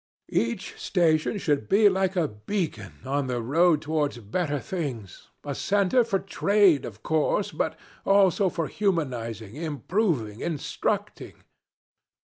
"Each station should be like a beacon on the road towards better things, a center for trade of course, but also for humanizing, improving, instructing."